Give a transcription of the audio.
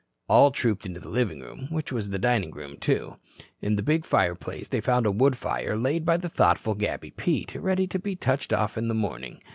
All trooped into the living room, which was dining room, too. In the big fireplace they found a wood fire laid by the thoughtful Gabby Pete, ready to be touched off in the morning.